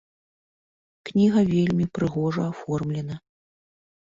Кніга вельмі прыгожа аформлена.